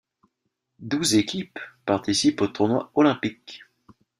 Douze équipes participent au tournoi olympique.